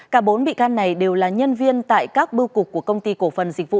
cả bốn bị can này đều là nhân viên tại các bưu cục của công ty cổ phần dịch vụ